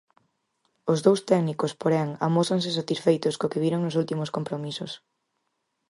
Os dous técnicos, porén, amósanse satisfeitos co que viron nos últimos compromisos.